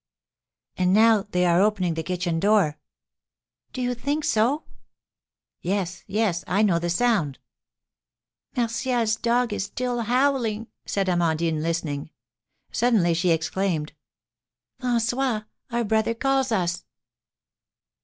"Ah, now they are opening the kitchen door." "Do you think so?" "Yes, yes; I know the sound." "Martial's dog is still howling," said Amandine, listening. Suddenly she exclaimed, "François, our brother calls us."